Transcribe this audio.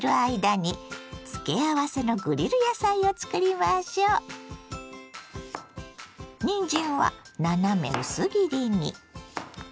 にんじんは斜め薄切りに。